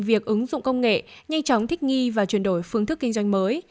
việc ứng dụng công nghệ nhanh chóng thích nghi và chuyển đổi phương thức kinh doanh mới